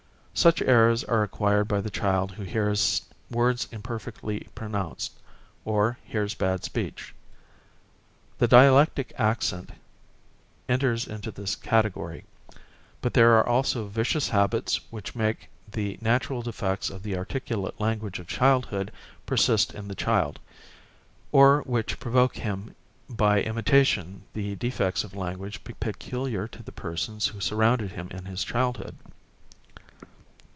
Such errors are acquired by the child who hears words imperfectly pronounced, or hears bad speech. The dialectic accent enters into this category; but there are also vicious habits which make the natural defects of the articulate language of childhood persist in the child, or which provoke in him by imitation the defects of language peculiar to the persons who surrounded him in his childhood.